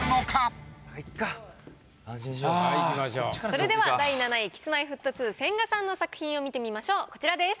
それでは第７位Ｋｉｓ−Ｍｙ−Ｆｔ２・千賀さんの作品を見てみましょうこちらです。